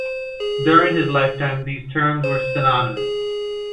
During his lifetime these terms were synonymous.